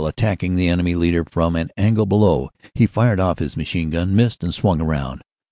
Attacking the enemy leader from an angle below, he fired off his machine gun, missed, and swung around.